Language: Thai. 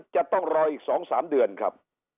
จะต้องรออีก๒๓เดือนครับ